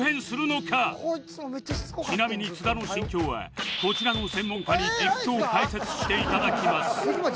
ちなみに津田の心境はこちらの専門家に実況解説していただきます